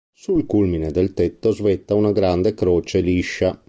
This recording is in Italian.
Sul culmine del tetto svetta una grande croce liscia.